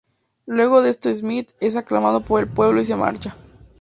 Luego de esto Smith es aclamado por el pueblo y se marcha.